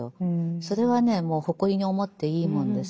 それはねもう誇りに思っていいものです。